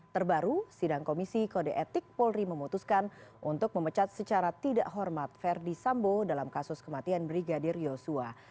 terbaru sidang komisi kode etik polri memutuskan untuk memecat secara tidak hormat verdi sambo dalam kasus kematian brigadir yosua